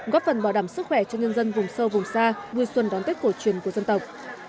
góp phần bảo đảm sức khỏe cho nhân dân vùng sâu vùng xa vui xuân đón tết cổ truyền của dân tộc